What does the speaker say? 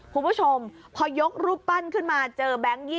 คุณผู้ชมพอยกรูปปั้นขึ้นมาเจอแบงค์๒๐